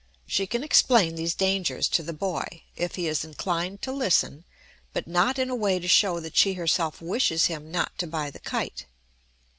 She can explain these dangers to the boy, if he is inclined to listen, but not in a way to show that she herself wishes him not to buy the kite.